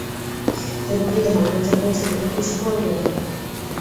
তুমি কি ধর্মের জন্য যেকোন কিছু করবে?